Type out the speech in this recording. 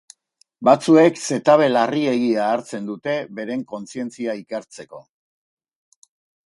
Batzuek zetabe larriegia hartzen dute beren kontzientzia ikertzeko.